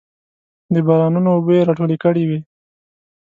د بارانونو اوبه یې راټولې کړې وې.